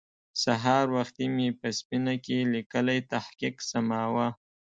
سهار وختې مې په سفينه کې ليکلی تحقيق سماوه.